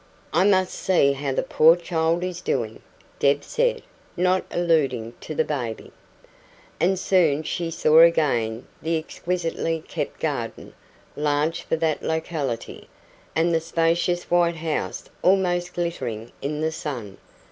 "I must see how the poor child is doing," Deb said not alluding to the baby. And soon she saw again the exquisitely kept garden large for that locality and the spacious white house almost glittering in the sun.